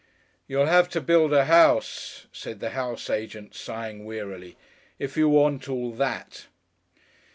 "You'll have to build a house," said the house agent, sighing wearily, "if you want all that."